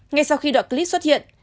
ngay sau khi đoạn clip xuất hiện